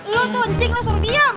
lo tuh cik lo suruh diam